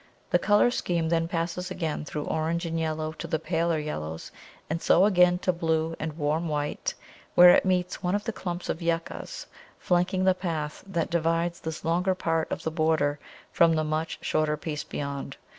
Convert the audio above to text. The colour scheme then passes again through orange and yellow to the paler yellows, and so again to blue and warm white, where it meets one of the clumps of Yuccas flanking the path that divides this longer part of the border from the much shorter piece beyond.